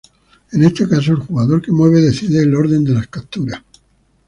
En este caso, el jugador que mueve decide el orden de las capturas.